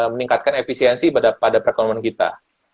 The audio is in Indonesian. meningkatkan efisiensi pada perekonomian kita